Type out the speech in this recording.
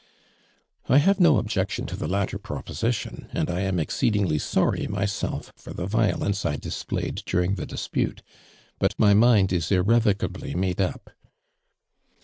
" I have no objection to the latter pro position and T am exceedingly sorry my self for the violence I displayed during the dispute, but my mind is irrevocably made up.'